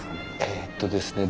えっとですね